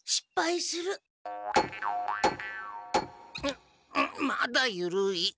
んっまだゆるい。